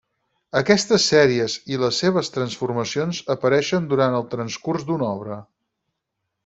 Aquestes sèries i les seves transformacions apareixen durant el transcurs d'una obra.